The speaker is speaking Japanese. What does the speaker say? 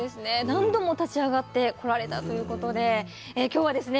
何度も立ち上がってこられたということで今日はですね